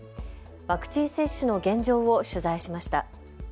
ワクチン接種の現状を取材しました。